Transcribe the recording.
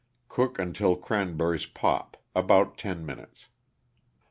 Cook until cranberries pop about 10 minutes.